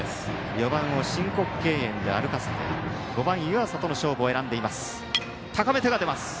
４番を申告敬遠で歩かせて５番、湯浅との勝負を選んでいます。